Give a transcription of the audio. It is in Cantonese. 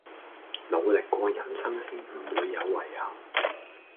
努力過人生先唔會有遺憾